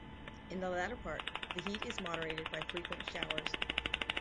In the latter part, the heat is moderated by frequent showers.